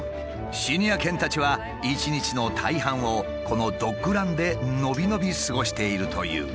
シニア犬たちは一日の大半をこのドッグランで伸び伸び過ごしているという。